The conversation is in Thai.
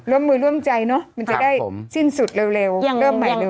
ร่วมมือร่วมใจเนอะมันจะได้สิ้นสุดเร็วเริ่มใหม่เร็